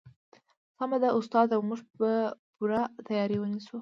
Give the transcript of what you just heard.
سمه ده استاده موږ به پوره تیاری ونیسو